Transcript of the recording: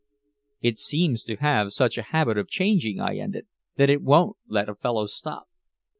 "It seems to have such a habit of changing," I ended, "that it won't let a fellow stop."